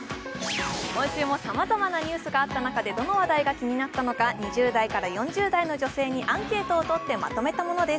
今週もさまざまなニュースがあったなかで興味があったものを２０代から４０代の女性にアンケートをとってまとめたものです。